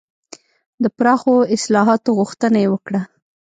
د پراخو اصلاحاتو غوښتنه یې وکړه.